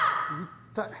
痛い。